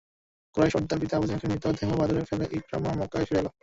কুরাইশ সর্দার পিতা আবু জাহলের মৃত দেহ বদরে ফেলে ইকরামা মক্কায় ফিরে এল।